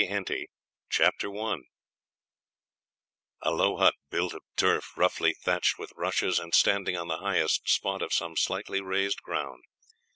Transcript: HENTY CHAPTER I: THE FUGITIVES A low hut built of turf roughly thatched with rushes and standing on the highest spot of some slightly raised ground.